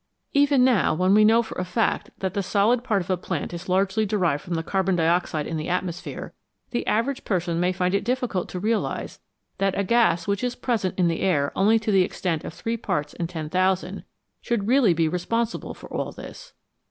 Even now, when we know for a fact that the solid part of a plant is largely derived from the carbon dioxide in the atmosphere, the average person may find it difficult to realise that a gas which is present in the air only to the extent of 3 parts in 10,000 should really be respon sible for all this.